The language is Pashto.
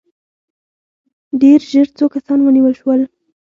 ډېر ژر څو کسان ونیول شول.